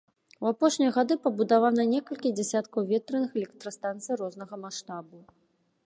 У апошнія гады пабудавана некалькі дзясяткаў ветраных электрастанцый рознага маштабу.